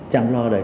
chẳng lo đâu